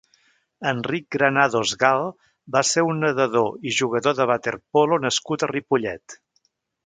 Enric Granados Gal va ser un nedador i jugador de waterpolo nascut a Ripollet.